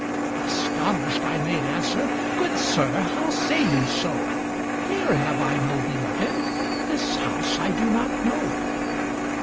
Astonished I made answer,"Good sir, how say you so! Here have I no belovèd, This house I do not know."